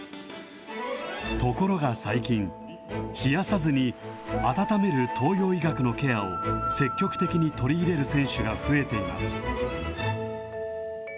ところが最近、冷やさずに温める東洋医学のケアを、積極的に取り入れる選手が増えています。